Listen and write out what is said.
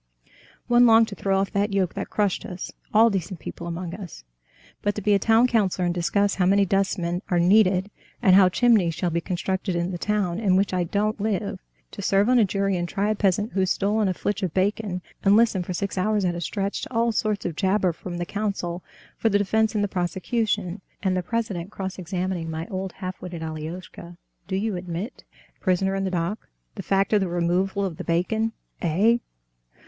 One longed to throw off that yoke that crushed us, all decent people among us. But to be a town councilor and discuss how many dustmen are needed, and how chimneys shall be constructed in the town in which I don't live—to serve on a jury and try a peasant who's stolen a flitch of bacon, and listen for six hours at a stretch to all sorts of jabber from the counsel for the defense and the prosecution, and the president cross examining my old half witted Alioshka, 'Do you admit, prisoner in the dock, the fact of the removal of the bacon?' 'Eh?